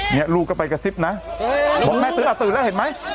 ลูกก็ไปกระซิบนะบอกแม่ตื่นอ่ะตื่นแล้วเห็นไหม